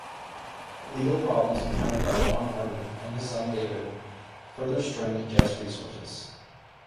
Legal problems encountered by Don Arden, and his son David, further strained Jet's resources.